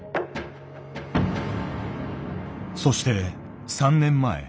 そして３年前。